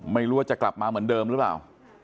ไม่รู้ว่าจะกลับมาเหมือนเดิมหรือเปล่า